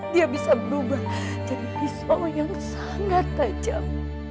dia bisa berubah jadi pisau yang sangat tajam